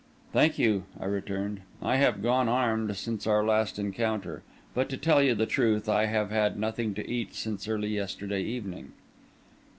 "Thank you," I returned; "I have gone armed since our last encounter. But, to tell you the truth, I have had nothing to eat since early yesterday evening."